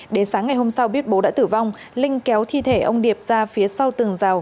đến sáng ngày hôm sau biết bố đã tử vong linh kéo thi thể ông điệp ra phía sau tường rào